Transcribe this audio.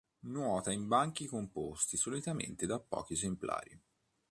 Nuota in banchi composti solitamente da pochi esemplari.